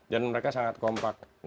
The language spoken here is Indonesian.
dan mereka sangat kompak